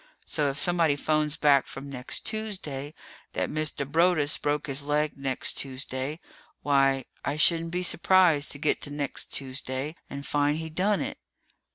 So if somebody phones back from next Tuesday that Mr. Broaddus broke his leg next Tuesday why, I shouldn't be surprised to get to next Tuesday and find he done it.